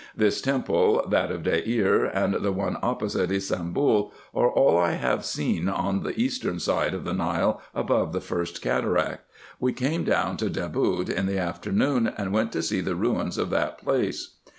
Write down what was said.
This temple, that of Deir, and the one opposite Ybsambul are all I have seen on the eastern side of the Nile above the first cataract. We came down to Deboude in the afternoon, and went to see the ruins of that place.